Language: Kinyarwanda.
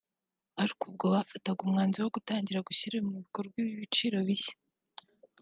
Ariko ubwo bafataga umwanzuro wo gutangira gushyira mu bikorwa ibi biciro bishya